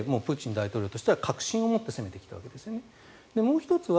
そのうえでプーチン大統領としては確信を持って攻めてきているわけですね。